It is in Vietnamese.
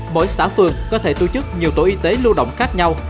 mỗi xã phường có thể tổ chức nhiều tổ y tế lưu động khác nhau